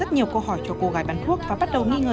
thuốc này là một triệu hai